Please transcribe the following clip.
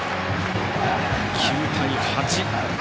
９対８。